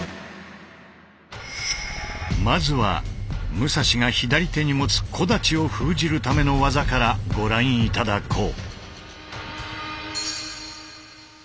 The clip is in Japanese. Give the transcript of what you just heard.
まずは武蔵が左手に持つ小太刀を封じるための技からご覧頂こう。